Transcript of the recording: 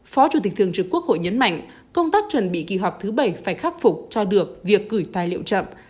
phó chủ tịch thường trực quốc hội nhấn mạnh công tác chuẩn bị kỳ họp thứ bảy phải khắc phục cho được việc gửi tài liệu chậm